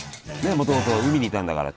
もともと海にいたんだから。